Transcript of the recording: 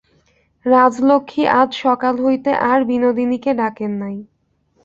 রাজলক্ষ্মী আজ সকাল হইতে আর বিনোদিনীকে ডাকেন নাই।